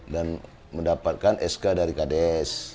dan mendapatkan sk dari kdes